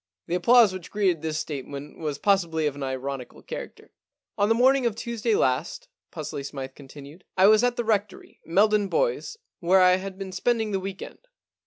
* The applause which greeted this statement was possibly of an ironical character. * On the morning of Tuesday last,* Pusely Smythe continued, * I was at the Rectory, Meldon Bois, where I had been spending the week end.